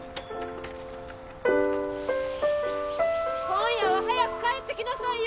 今夜は早く帰ってきなさいよ